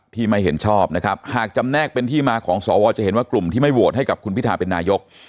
ไม่เห็นชอบนะครับหากจำแนกเป็นที่มาของสวจะเห็นว่ากลุ่มที่ไม่โหวตให้กับคุณพิทาเป็นนายก